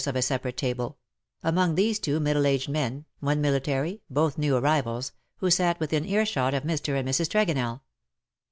of a separate table : among these two middle aged men — one military, both new arrivals — who sat within earshot of Mr. and Mrs. Tregonell.